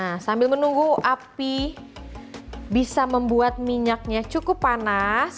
nah sambil menunggu api bisa membuat minyaknya cukup panas